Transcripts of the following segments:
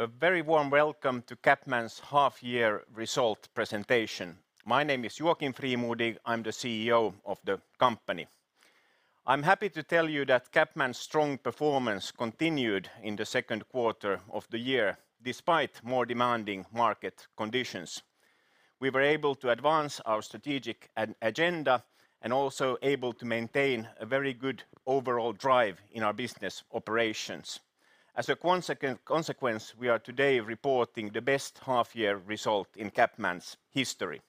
A very warm welcome to CapMan's half year result presentation. My name is Joakim Frimodig. I'm the CEO of the company. I'm happy to tell you that CapMan's strong performance continued in the second quarter of the year, despite more demanding market conditions. We were able to advance our strategic agenda and also able to maintain a very good overall drive in our business operations. As a consequence, we are today reporting the best half year result in CapMan's history.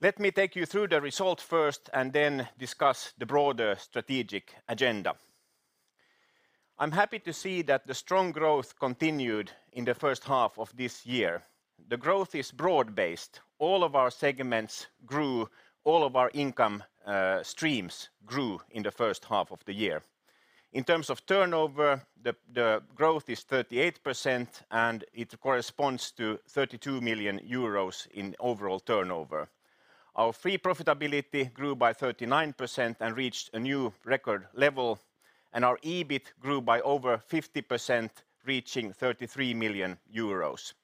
Let me take you through the results first and then discuss the broader strategic agenda. I'm happy to see that the strong growth continued in the first half of this year. The growth is broad-based. All of our segments grew, all of our income streams grew in the first half of the year. In terms of turnover, the growth is 38% and it corresponds to 32 million euros in overall turnover. Our fee profitability grew by 39% and reached a new record level, and our EBIT grew by over 50%, reaching 33 million euros.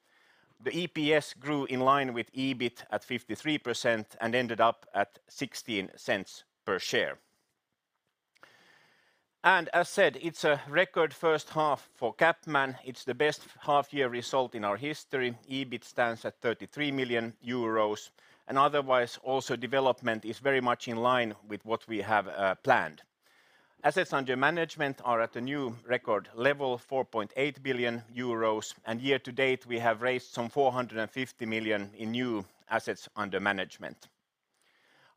The EPS grew in line with EBIT at 53% and ended up at 0.16 per share. As said, it's a record first half for CapMan. It's the best half year result in our history. EBIT stands at 33 million euros. Otherwise, also development is very much in line with what we have planned. Assets under management are at a new record level, 4.8 billion euros, and year to date we have raised some 450 million in new assets under management.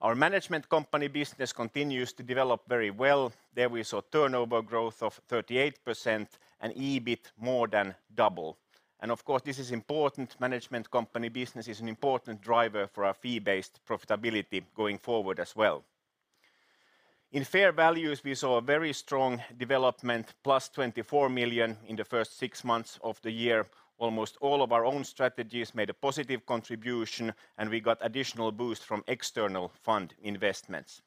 Our management company business continues to develop very well. There we saw turnover growth of 38% and EBIT more than double. Of course this is important. Management company business is an important driver for our fee-based profitability going forward as well. In fair values, we saw a very strong development, +24 million in the first six months of the year. Almost all of our own strategies made a positive contribution, and we got additional boost from external fund investments.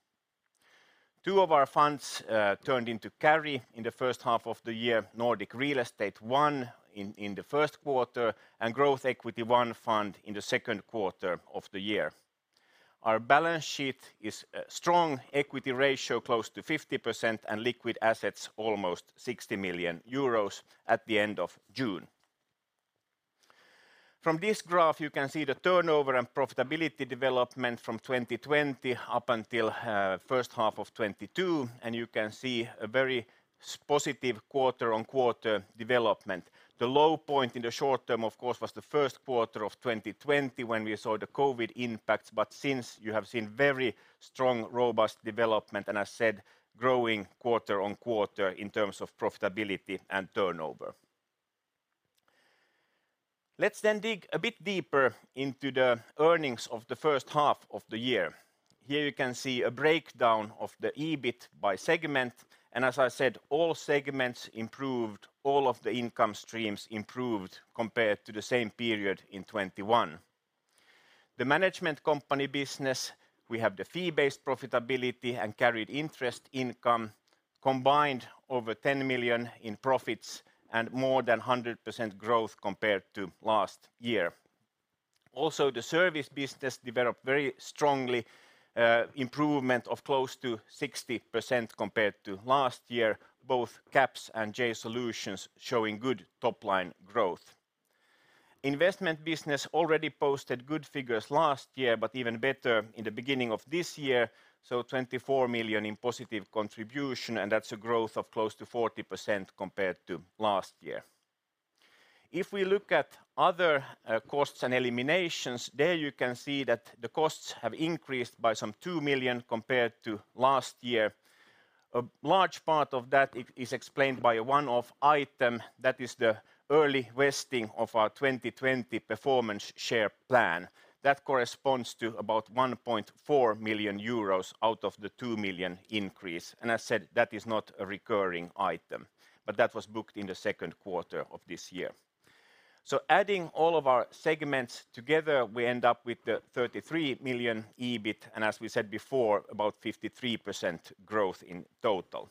Two of our funds turned into carry in the first half of the year, Nordic Real Estate I in the first quarter and Growth Equity I Fund in the second quarter of the year. Our balance sheet is a strong equity ratio, close to 50% and liquid assets almost 60 million euros at the end of June. From this graph you can see the turnover and profitability development from 2020 up until first half of 2022, and you can see a very positive quarter-on-quarter development. The low point in the short term of course was the first quarter of 2020 when we saw the COVID impacts, but since you have seen very strong robust development and as said, growing quarter-on-quarter in terms of profitability and turnover. Let's then dig a bit deeper into the earnings of the first half of the year. Here you can see a breakdown of the EBIT by segment, and as I said, all segments improved, all of the income streams improved compared to the same period in 2021. The management company business, we have the fee-based profitability and carried interest income combined over 10 million in profits and more than 100% growth compared to last year. Also, the service business developed very strongly, improvement of close to 60% compared to last year, both CaPS and JAY Solutions showing good top-line growth. Investment business already posted good figures last year, but even better in the beginning of this year, so 24 million in positive contribution, and that's a growth of close to 40% compared to last year. If we look at other, costs and eliminations, there you can see that the costs have increased by some 2 million compared to last year. A large part of that is explained by a one-off item that is the early vesting of our 2020 Performance Share Plan. That corresponds to about 1.4 million euros out of the 2 million increase. I said that is not a recurring item, but that was booked in the second quarter of this year. Adding all of our segments together, we end up with the 33 million EBIT, and as we said before, about 53% growth in total.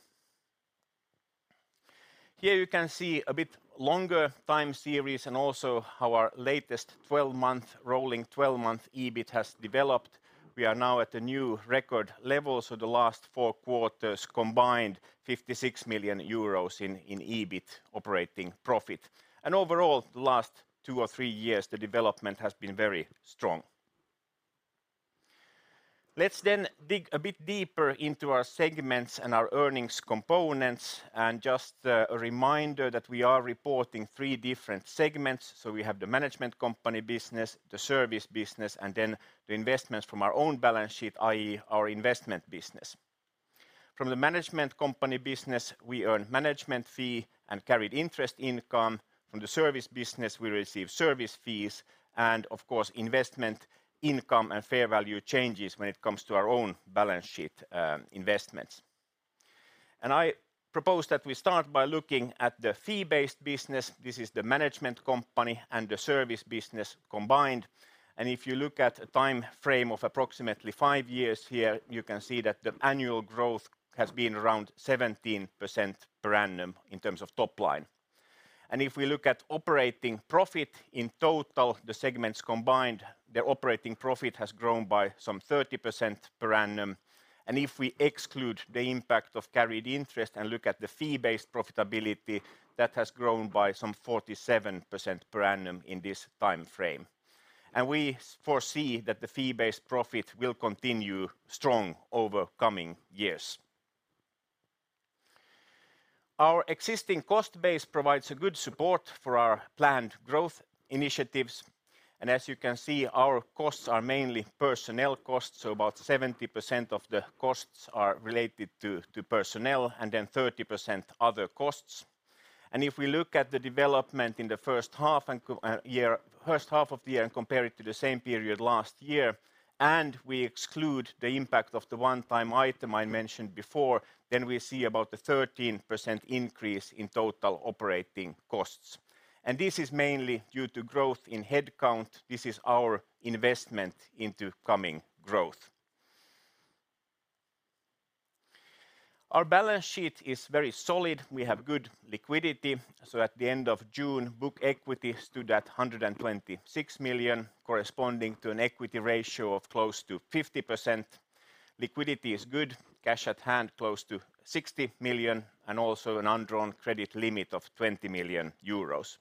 Here you can see a bit longer time series and also how our latest 12-month, rolling 12-month EBIT has developed. We are now at a new record level, so the last four quarters combined, 56 million euros in EBIT operating profit. Overall, the last two or three years, the development has been very strong. Let's dig a bit deeper into our segments and our earnings components, and just a reminder that we are reporting three different segments. We have the management company business, the service business, and then the investments from our own balance sheet, i.e. our investment business. From the management company business, we earn management fee and carried interest income. From the service business, we receive service fees and of course, investment income and fair value changes when it comes to our own balance sheet, investments. I propose that we start by looking at the fee-based business. This is the management company and the service business combined. If you look at a time frame of approximately five years here, you can see that the annual growth has been around 17% per annum in terms of top line. If we look at operating profit in total, the segments combined, the operating profit has grown by some 30% per annum. If we exclude the impact of carried interest and look at the fee-based profitability, that has grown by some 47% per annum in this time frame. We foresee that the fee-based profit will continue strong over coming years. Our existing cost base provides a good support for our planned growth initiatives. As you can see, our costs are mainly personnel costs, so about 70% of the costs are related to personnel and then 30% other costs. If we look at the development in the first half of the year and compare it to the same period last year, and we exclude the impact of the one-time item I mentioned before, then we see about a 13% increase in total operating costs. This is mainly due to growth in headcount. This is our investment into coming growth. Our balance sheet is very solid. We have good liquidity. At the end of June, book equity stood at 126 million, corresponding to an equity ratio of close to 50%. Liquidity is good. Cash at hand close to 60 million and also an undrawn credit limit of 20 million euros.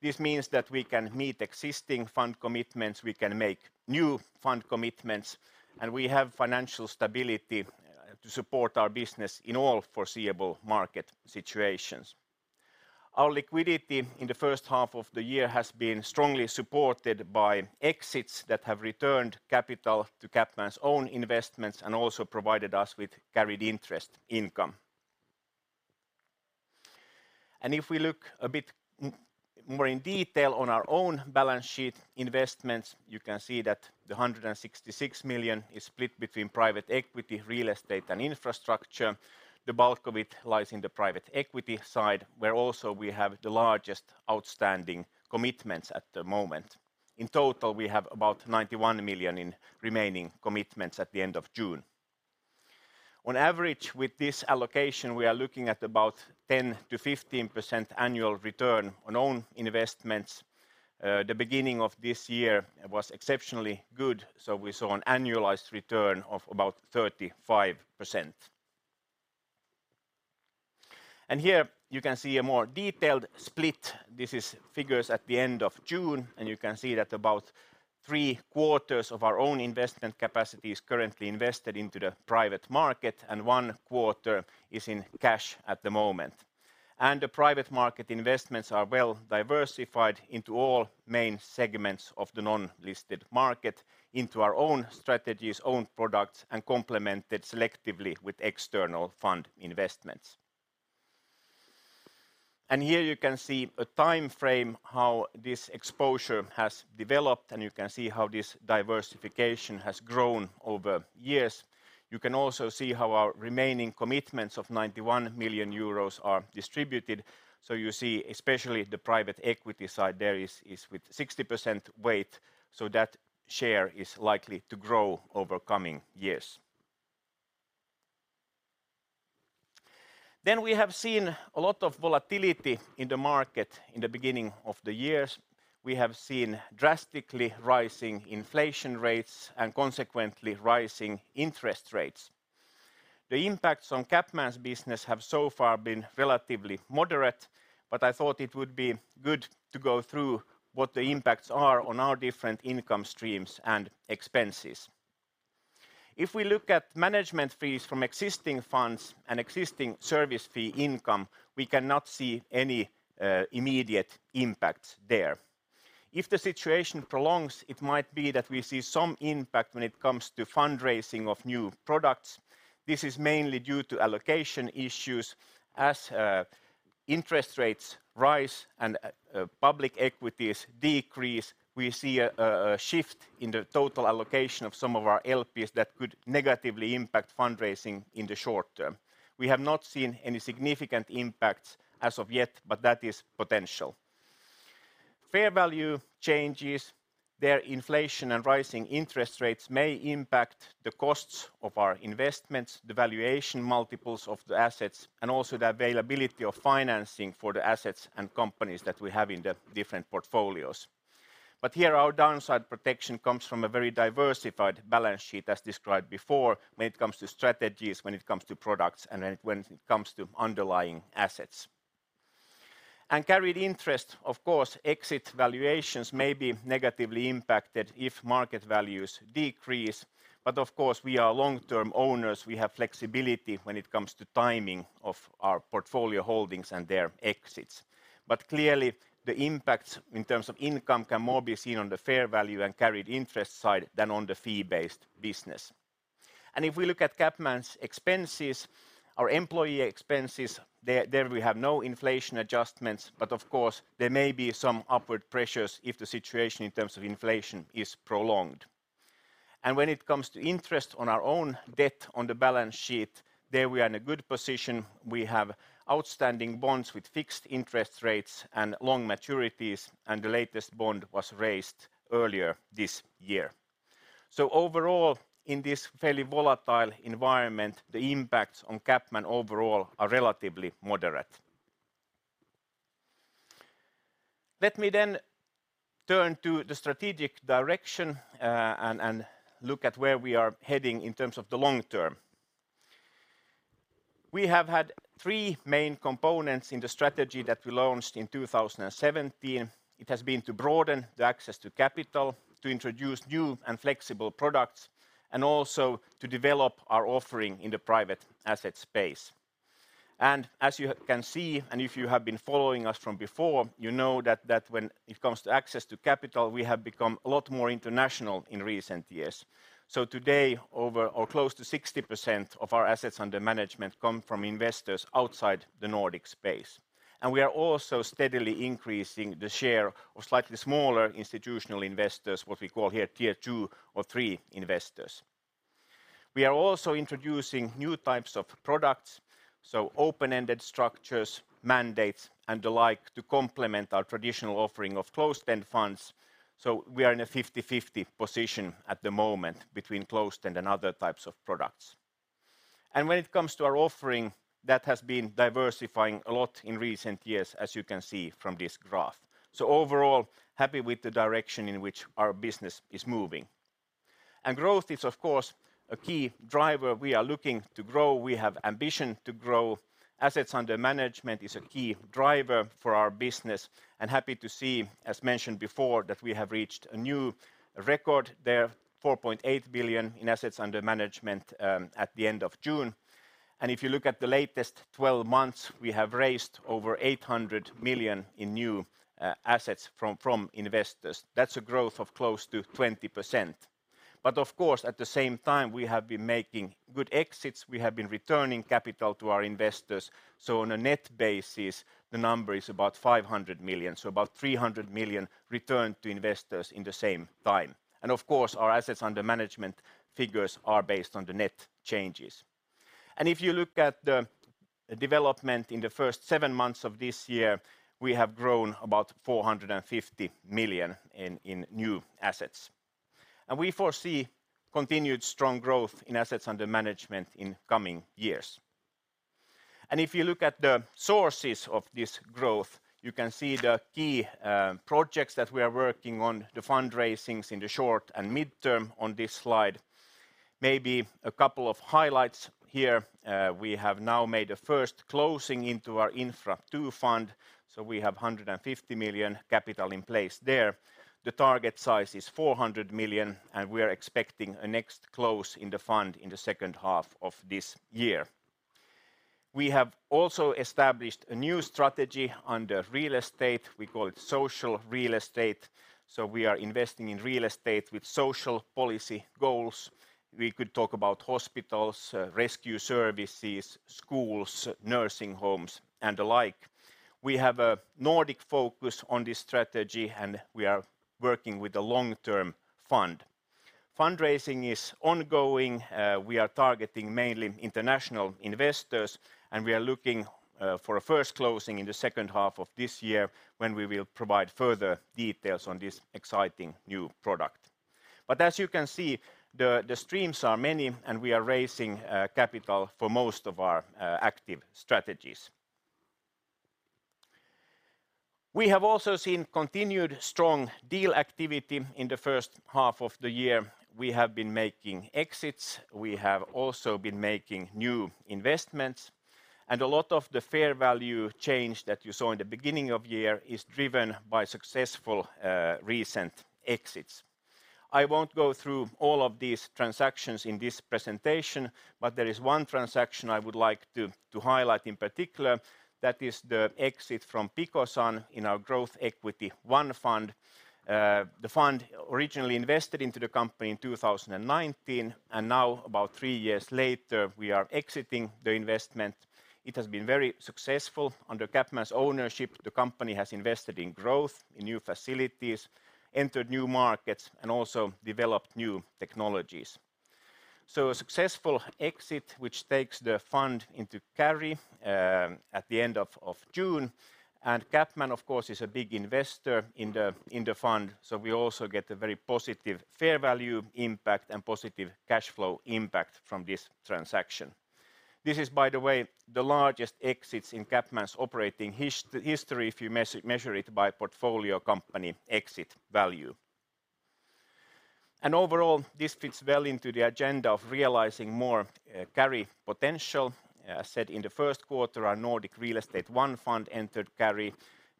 This means that we can meet existing fund commitments, we can make new fund commitments, and we have financial stability to support our business in all foreseeable market situations. Our liquidity in the first half of the year has been strongly supported by exits that have returned capital to CapMan's own investments and also provided us with carried interest income. If we look a bit more in detail on our own balance sheet investments, you can see that 166 million is split between private equity, real estate, and infrastructure. The bulk of it lies in the private equity side, where also we have the largest outstanding commitments at the moment. In total, we have about 91 million in remaining commitments at the end of June. On average, with this allocation, we are looking at about 10%-15% annual return on own investments. The beginning of this year was exceptionally good, so we saw an annualized return of about 35%. Here you can see a more detailed split. This is figures at the end of June, and you can see that about three quarters of our own investment capacity is currently invested into the private market, and one quarter is in cash at the moment. The private market investments are well-diversified into all main segments of the non-listed market into our own strategies, own products, and complemented selectively with external fund investments. Here you can see a time frame how this exposure has developed, and you can see how this diversification has grown over years. You can also see how our remaining commitments of 91 million euros are distributed. You see especially the private equity side there is with 60% weight, so that share is likely to grow over coming years. We have seen a lot of volatility in the market in the beginning of the years. We have seen drastically rising inflation rates and consequently rising interest rates. The impacts on CapMan's business have so far been relatively moderate, but I thought it would be good to go through what the impacts are on our different income streams and expenses. If we look at management fees from existing funds and existing service fee income, we cannot see any immediate impact there. If the situation prolongs, it might be that we see some impact when it comes to fundraising of new products. This is mainly due to allocation issues. As interest rates rise and public equities decrease, we see a shift in the total allocation of some of our LPs that could negatively impact fundraising in the short term. We have not seen any significant impacts as of yet, but that is potential. Fair value changes. Their inflation and rising interest rates may impact the costs of our investments, the valuation multiples of the assets, and also the availability of financing for the assets and companies that we have in the different portfolios. Here, our downside protection comes from a very diversified balance sheet, as described before, when it comes to strategies, when it comes to products, and when it comes to underlying assets. Carried interest, of course, exit valuations may be negatively impacted if market values decrease. Of course, we are long-term owners. We have flexibility when it comes to timing of our portfolio holdings and their exits. Clearly, the impacts in terms of income can more be seen on the fair value and carried interest side than on the fee-based business. If we look at CapMan's expenses, our employee expenses, there we have no inflation adjustments, but of course, there may be some upward pressures if the situation in terms of inflation is prolonged. When it comes to interest on our own debt on the balance sheet, there we are in a good position. We have outstanding bonds with fixed interest rates and long maturities, and the latest bond was raised earlier this year. Overall, in this fairly volatile environment, the impacts on CapMan overall are relatively moderate. Let me turn to the strategic direction, and look at where we are heading in terms of the long term. We have had three main components in the strategy that we launched in 2017. It has been to broaden the access to capital, to introduce new and flexible products, and also to develop our offering in the private asset space. As you can see, and if you have been following us from before, you know that when it comes to access to capital, we have become a lot more international in recent years. Today, over or close to 60% of our assets under management come from investors outside the Nordic space. We are also steadily increasing the share of slightly smaller institutional investors, what we call here tier two or three investors. We are also introducing new types of products, so open-ended structures, mandates, and the like to complement our traditional offering of closed-end funds. We are in a 50/50 position at the moment between closed-end and other types of products. When it comes to our offering, that has been diversifying a lot in recent years, as you can see from this graph. Overall, happy with the direction in which our business is moving. Growth is, of course, a key driver. We are looking to grow. We have ambition to grow. Assets under management is a key driver for our business, and happy to see, as mentioned before, that we have reached a new record there, 4.8 billion in assets under management at the end of June. If you look at the latest 12 months, we have raised over 800 million in new assets from investors. That's a growth of close to 20%. Of course, at the same time, we have been making good exits. We have been returning capital to our investors. On a net basis, the number is about 500 million. About 300 million returned to investors in the same time. Of course, our assets under management figures are based on the net changes. If you look at the development in the first seven months of this year, we have grown about 450 million in new assets. We foresee continued strong growth in assets under management in coming years. If you look at the sources of this growth, you can see the key projects that we are working on, the fundraisings in the short and mid-term on this slide. Maybe a couple of highlights here. We have now made a first closing into our Infra II fund, so we have 150 million capital in place there. The target size is 400 million, and we are expecting a next close in the fund in the second half of this year. We have also established a new strategy under real estate. We call it Social Real Estate. We are investing in real estate with social policy goals. We could talk about hospitals, rescue services, schools, nursing homes, and the like. We have a Nordic focus on this strategy, and we are working with a long-term fund. Fundraising is ongoing. We are targeting mainly international investors, and we are looking for a first closing in the second half of this year when we will provide further details on this exciting new product. As you can see, the streams are many, and we are raising capital for most of our active strategies. We have also seen continued strong deal activity in the first half of the year. We have been making exits. We have also been making new investments, and a lot of the fair value change that you saw in the beginning of year is driven by successful recent exits. I won't go through all of these transactions in this presentation, but there is one transaction I would like to highlight in particular. That is the exit from Picosun in our Growth Equity I fund. The fund originally invested into the company in 2019, and now about three years later, we are exiting the investment. It has been very successful. Under CapMan's ownership, the company has invested in growth, in new facilities, entered new markets, and also developed new technologies. A successful exit which takes the fund into carry at the end of June. CapMan, of course, is a big investor in the fund, so we also get a very positive fair value impact and positive cash flow impact from this transaction. This is, by the way, the largest exit in CapMan's operating history if you measure it by portfolio company exit value. Overall, this fits well into the agenda of realizing more carry potential. As said in the first quarter, our Nordic Real Estate I fund entered carry.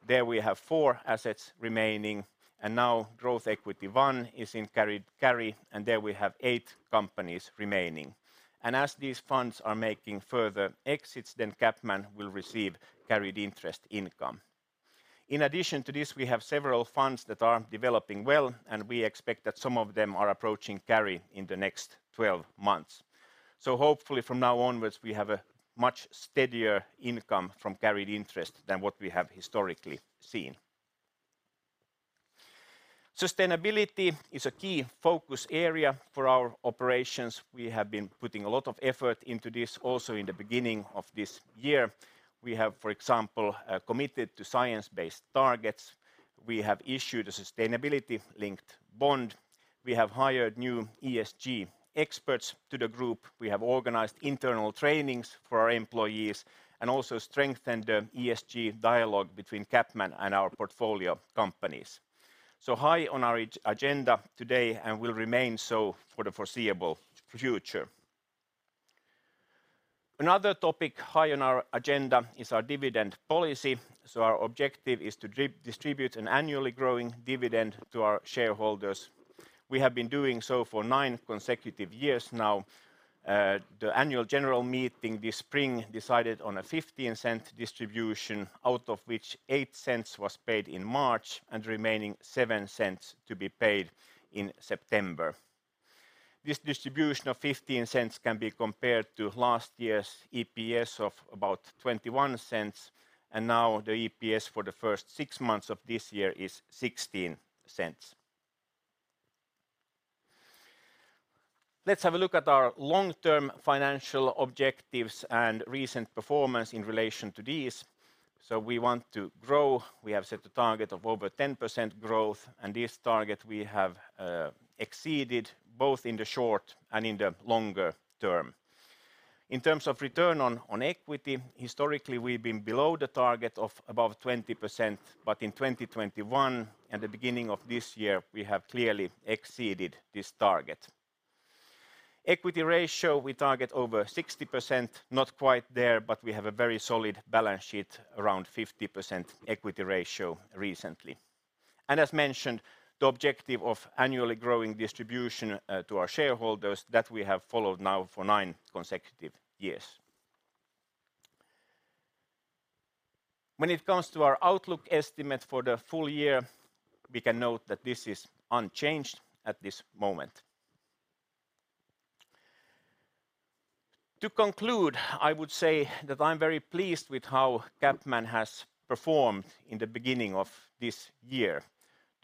There we have four assets remaining, and now Growth Equity I is in carry, and there we have eight companies remaining. As these funds are making further exits, then CapMan will receive carried interest income. In addition to this, we have several funds that are developing well, and we expect that some of them are approaching carry in the next 12 months. Hopefully from now onwards, we have a much steadier income from carried interest than what we have historically seen. Sustainability is a key focus area for our operations. We have been putting a lot of effort into this also in the beginning of this year. We have, for example, committed to Science Based Targets. We have issued a sustainability-linked bond. We have hired new ESG experts to the group. We have organized internal trainings for our employees and also strengthened the ESG dialogue between CapMan and our portfolio companies. High on our agenda today and will remain so for the foreseeable future. Another topic high on our agenda is our dividend policy. Our objective is to distribute an annually growing dividend to our shareholders. We have been doing so for nine consecutive years now. The annual general meeting this spring decided on a 0.15 distribution, out of which 0.08 was paid in March and remaining 0.07 to be paid in September. This distribution of 0.15 can be compared to last year's EPS of about 0.21, and now the EPS for the first six months of this year is 0.16. Let's have a look at our long-term financial objectives and recent performance in relation to these. We want to grow. We have set a target of over 10% growth, and this target we have exceeded both in the short and in the longer term. In terms of return on equity, historically, we've been below the target of above 20%. In 2021 and the beginning of this year, we have clearly exceeded this target. Equity ratio, we target over 60%. Not quite there, but we have a very solid balance sheet, around 50% equity ratio recently. As mentioned, the objective of annually growing distribution to our shareholders, that we have followed now for nine consecutive years. When it comes to our outlook estimate for the full year, we can note that this is unchanged at this moment. To conclude, I would say that I'm very pleased with how CapMan has performed in the beginning of this year.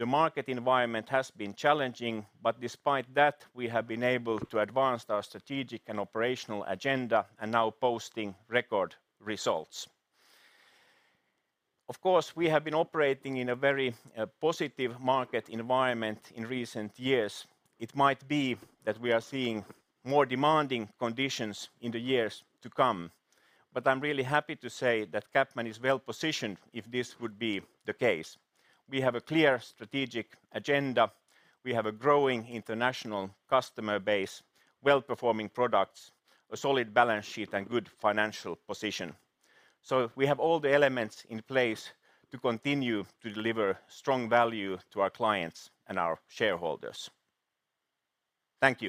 The market environment has been challenging, but despite that, we have been able to advance our strategic and operational agenda and now posting record results. Of course, we have been operating in a very positive market environment in recent years. It might be that we are seeing more demanding conditions in the years to come. I'm really happy to say that CapMan is well-positioned if this would be the case. We have a clear strategic agenda. We have a growing international customer base, well-performing products, a solid balance sheet, and good financial position. We have all the elements in place to continue to deliver strong value to our clients and our shareholders. Thank you.